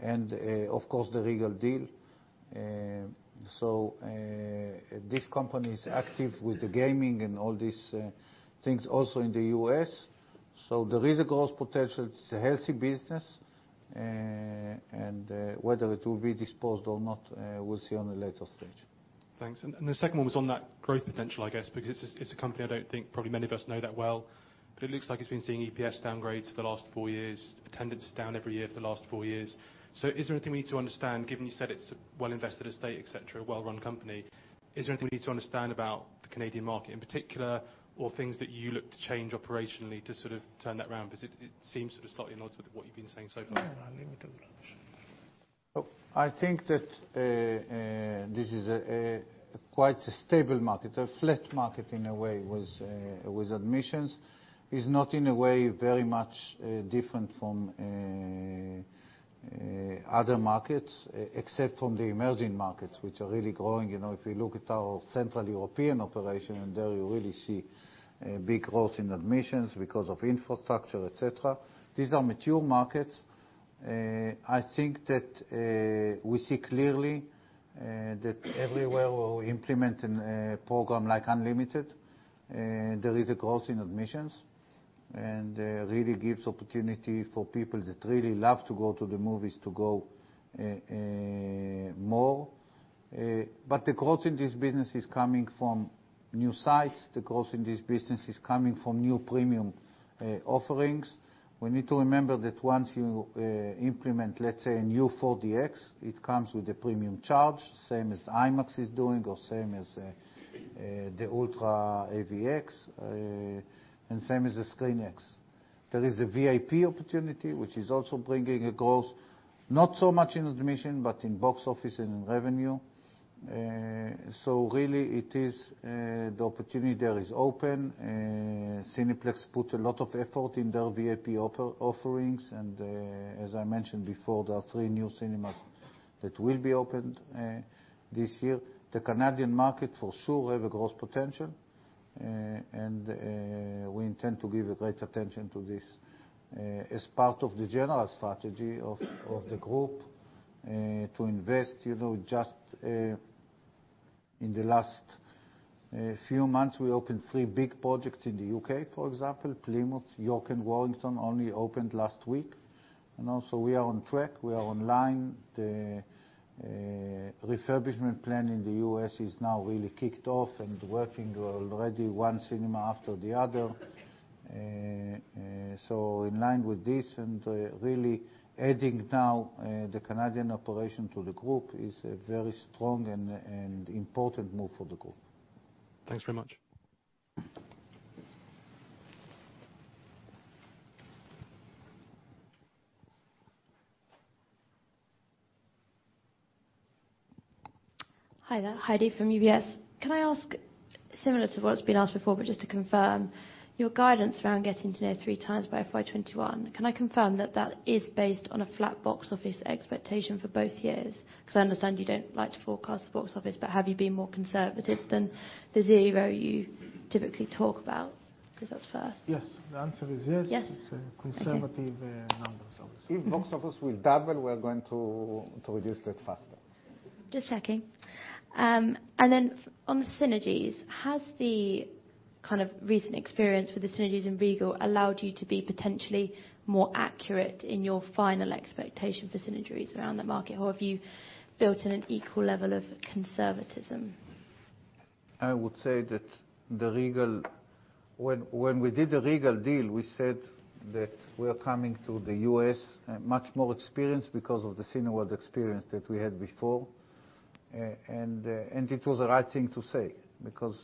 Speaker 1: and of course, the Regal deal. This company is active with the gaming and all these things also in the U.S. There is a growth potential. It's a healthy business, and whether it will be disposed or not, we'll see on a later stage.
Speaker 10: Thanks. The second one was on that growth potential, I guess, because it's a company I don't think probably many of us know that well, but it looks like it's been seeing EPS downgrades for the last four years, attendance is down every year for the last four years. Is there anything we need to understand, given you said it's a well-invested estate, et cetera, a well-run company, is there anything we need to understand about the Canadian market in particular, or things that you look to change operationally to sort of turn that around? It seems sort of slightly at odds with what you've been saying so far.
Speaker 1: I think that this is quite a stable market, a flat market in a way with admissions. Is not, in a way, very much different from other markets, except from the emerging markets, which are really growing. If we look at our Central European operation, there you really see a big growth in admissions because of infrastructure, et cetera. These are mature markets. I think that we see clearly that everywhere we're implementing a program like Unlimited, there is a growth in admissions, really gives opportunity for people that really love to go to the movies to go more. The growth in this business is coming from new sites. The growth in this business is coming from new premium offerings. We need to remember that once you implement, let's say, a new 4DX, it comes with a premium charge, same as IMAX is doing, or same as the UltraAVX, and same as the ScreenX. There is a VIP opportunity, which is also bringing a growth, not so much in admission, but in box office and in revenue. Really, it is the opportunity there is open. Cineplex put a lot of effort in their VIP offerings, and as I mentioned before, there are three new cinemas that will be opened this year. The Canadian market for sure have a growth potential, and we intend to give great attention to this as part of the general strategy of the group to invest. Just in the last few months, we opened three big projects in the U.K., for example, Plymouth, York, and Warrington only opened last week. Also, we are on track, we are online. The refurbishment plan in the U.S. is now really kicked off and working already, one cinema after the other. In line with this, and really adding now the Canadian operation to the group is a very strong and important move for the group.
Speaker 10: Thanks very much.
Speaker 11: Hi there. Heidi from UBS. Can I ask, similar to what's been asked before, but just to confirm, your guidance around getting to near 3x by FY 2021, can I confirm that that is based on a flat box office expectation for both years? I understand you don't like to forecast the box office, but have you been more conservative than the zero you typically talk about? That's first.
Speaker 3: Yes. The answer is yes.
Speaker 11: Yes?
Speaker 3: It's a conservative number, obviously.
Speaker 2: If box office will double, we're going to reduce it faster.
Speaker 11: Just checking. On the synergies, has the recent experience with the synergies in Regal allowed you to be potentially more accurate in your final expectation for synergies around the market, or have you built in an equal level of conservatism?
Speaker 1: I would say that when we did the Regal deal, we said that we are coming to the U.S. much more experienced because of the Cineworld experience that we had before. It was the right thing to say, because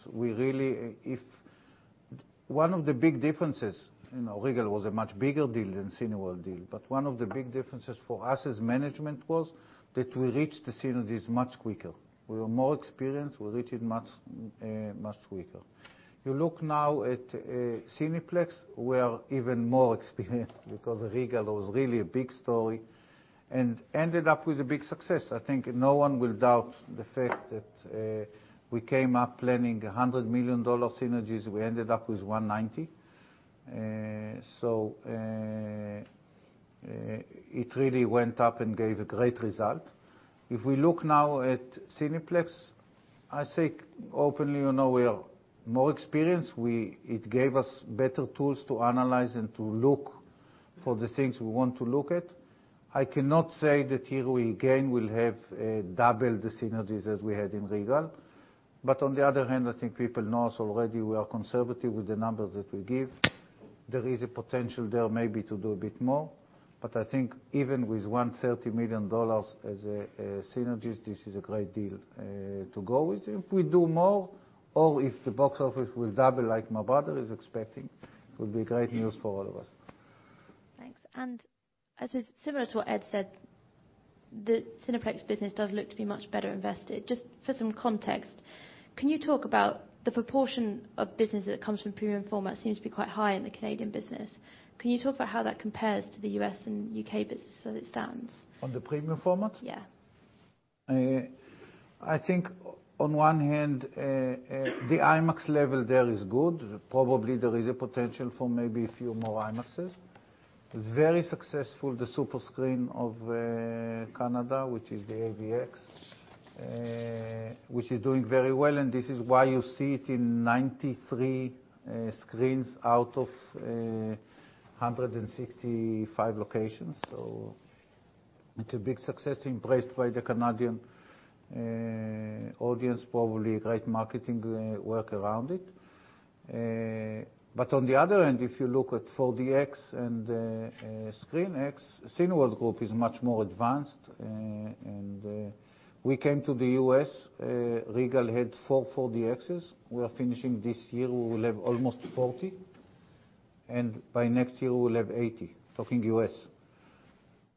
Speaker 1: one of the big differences, Regal was a much bigger deal than Cineworld deal, but one of the big differences for us as management was that we reached the synergies much quicker. We were more experienced. We reached it much quicker. You look now at Cineplex, we are even more experienced because Regal was really a big story and ended up with a big success. I think no one will doubt the fact that we came up planning $100 million synergies, we ended up with $190 million. It really went up and gave a great result. If we look now at Cineplex, I think openly, we are more experienced. It gave us better tools to analyze and to look for the things we want to look at. I cannot say that here we again will have double the synergies as we had in Regal. On the other hand, I think people know us already. We are conservative with the numbers that we give. There is a potential there maybe to do a bit more. I think even with $130 million as synergies, this is a great deal to go with. If we do more, or if the box office will double like my brother is expecting, it will be great news for all of us.
Speaker 11: Thanks. Similar to what Ed said, the Cineplex business does look to be much better invested. Just for some context, can you talk about the proportion of business that comes from premium format seems to be quite high in the Canadian business. Can you talk about how that compares to the U.S. and U.K. business as it stands?
Speaker 2: On the premium format?
Speaker 11: Yeah.
Speaker 1: I think on one hand, the IMAX level there is good. Probably there is a potential for maybe a few more IMAXs. Very successful, the Superscreen of Canada, which is the UltraAVX, which is doing very well, and this is why you see it in 93 screens out of 165 locations. It's a big success embraced by the Canadian audience, probably great marketing work around it. On the other end, if you look at 4DX and ScreenX, Cineworld Group is much more advanced. We came to the U.S., Regal had four 4DXs. We are finishing this year, we will have almost 40. By next year, we will have 80. Talking U.S.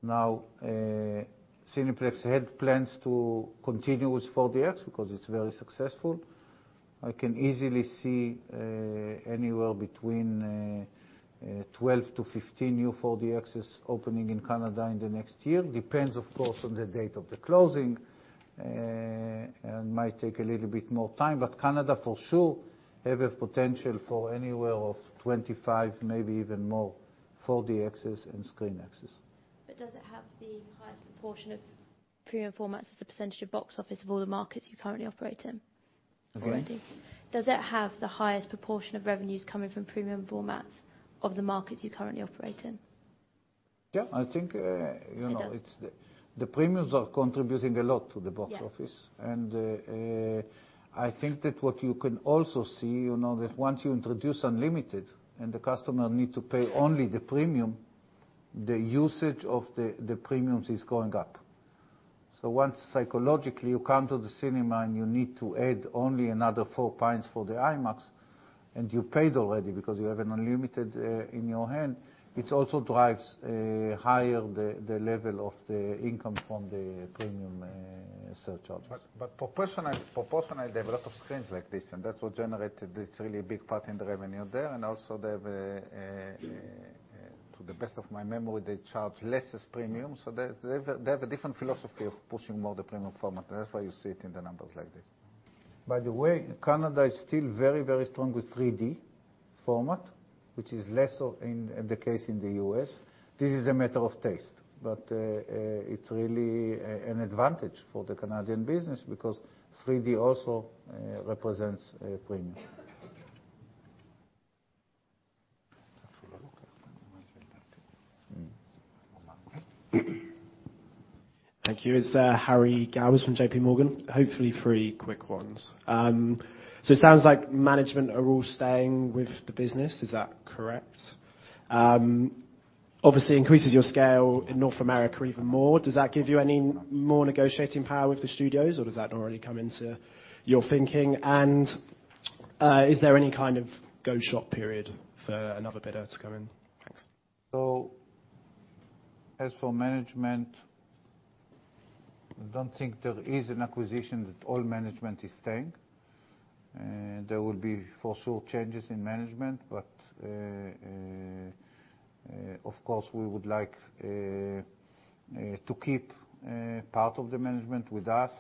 Speaker 1: Now, Cineplex had plans to continue with 4DX because it's very successful. I can easily see anywhere between 12-15 new 4DXs opening in Canada in the next year. Depends, of course, on the date of the closing, and might take a little bit more time. Canada, for sure, have a potential for anywhere of 25, maybe even more, 4DXs and ScreenXs.
Speaker 11: Does it have the highest proportion of premium formats as a percentage of box office of all the markets you currently operate in?
Speaker 1: Pardon?
Speaker 11: Does it have the highest proportion of revenues coming from premium formats of the markets you currently operate in?
Speaker 1: Yeah, I think It, the premiums are contributing a lot to the box office. I think that what you can also see, that once you introduce Unlimited and the customers need to pay only the premium, the usage of the premiums is going up. Once psychologically you come to the cinema and you need to add only another 4 for the IMAX, and you paid already because you have an Unlimited in your hand, it also drives higher the level of the income from the premium surcharges.
Speaker 2: Proportionally, they have a lot of screens like this, and that's what generated this really big part in the revenue there. Also, they have, to the best of my memory, they charge less as premium. They have a different philosophy of pushing more the premium format. That's why you see it in the numbers like this.
Speaker 1: By the way, Canada is still very, very strong with 3D format, which is less so in the case in the U.S. This is a matter of taste. It's really an advantage for the Canadian business because 3D also represents a premium.
Speaker 11: Thank you.
Speaker 1: You're welcome.
Speaker 12: Thank you. It's Harry Gowers from JPMorgan. Hopefully three quick ones. It sounds like management are all staying with the business. Is that correct? Obviously, increases your scale in North America even more. Does that give you any more negotiating power with the studios, or does that not really come into your thinking? Is there any kind of go-shop period for another bidder to come in? Thanks.
Speaker 1: As for management, I don't think there is an acquisition that all management is staying. There will be, for sure, changes in management. Of course, we would like to keep part of the management with us.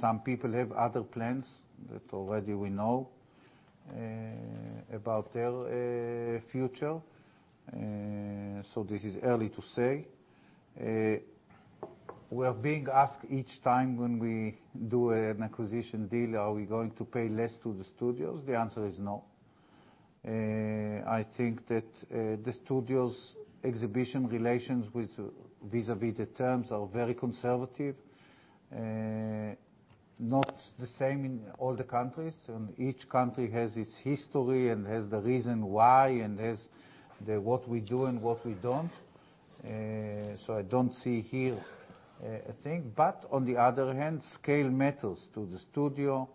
Speaker 1: Some people have other plans that already we know about their future. This is early to say. We are being asked each time when we do an acquisition deal, are we going to pay less to the studios? The answer is no. I think that the studio's exhibition relations vis-à-vis the terms are very conservative. Not the same in all the countries. Each country has its history and has the reason why, and has the what we do and what we don't. I don't see here a thing. On the other hand, scale matters to the studio.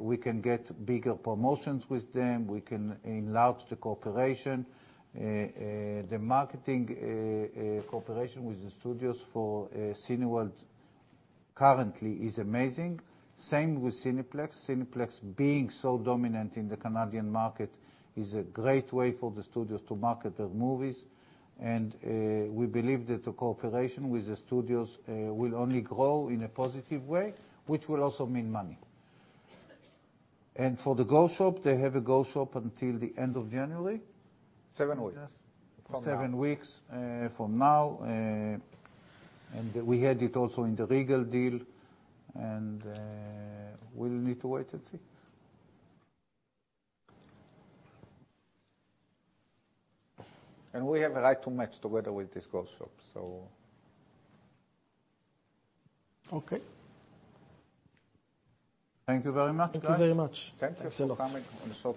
Speaker 1: We can get bigger promotions with them. We can enlarge the cooperation. The marketing cooperation with the studios for Cineworld currently is amazing. Same with Cineplex. Cineplex being so dominant in the Canadian market is a great way for the studios to market their movies. We believe that the cooperation with the studios will only grow in a positive way, which will also mean money. For the go shop, they have a go-shop until the end of January?
Speaker 2: Seven weeks from now.
Speaker 1: Seven weeks from now. We had it also in the Regal deal, and we'll need to wait and see.
Speaker 2: We have a right to match together with this go-shop.
Speaker 12: Okay.
Speaker 1: Thank you very much.
Speaker 12: Thank you very much.
Speaker 1: Thank you for coming on the show.